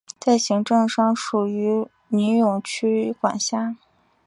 在行政上属于尼永区管辖。